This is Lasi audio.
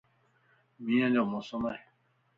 مينھن جو موسم ائي